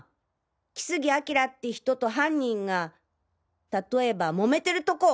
木杉彬って人と犯人がたとえば揉めてるとこを。